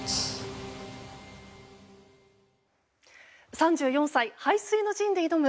３４歳、背水の陣で挑む